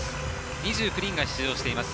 ２９人が出場しています。